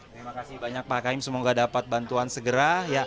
terima kasih banyak pak kaim semoga dapat bantuan segera